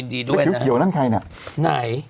ดีด้วยนะครั้งอีจีด้วยน่ะไหน